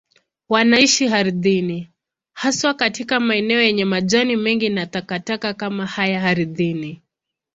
Wanaishi ardhini, haswa katika maeneo yenye majani mengi na takataka kama haya ardhini.